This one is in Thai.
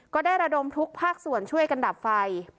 ก็ได้ระดมทุกภาคส่วนช่วยกันดับไฟ